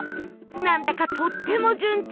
なんだかとっても順調